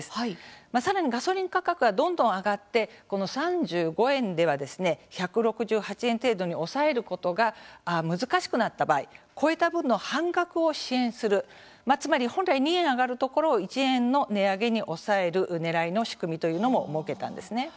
さらに、ガソリン価格がどんどん上がって３５円では１６８円程度に抑えることが難しくなった場合超えた分の半額を支援するつまり、本来２円上がるところを１円の値上げに抑えるねらいの仕組みというのも設けたんですね。